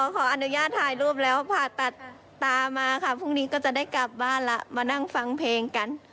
พรุ่งนี้ก็จะได้กลับบ้านละมานั่งฟังเพลงกัน